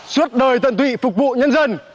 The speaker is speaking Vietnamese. suốt đời tận tụy phục vụ nhân dân